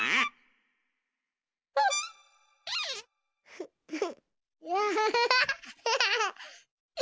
フッフッ。